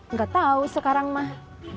nggak tau sekarang mah